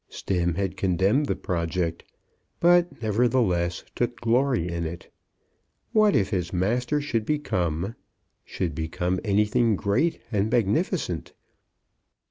Stemm had condemned the project, but, nevertheless, took glory in it. What if his master should become, should become anything great and magnificent.